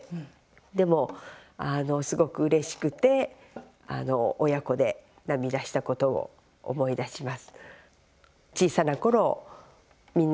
でも、すごくうれしくて親子で涙したことを思い出します。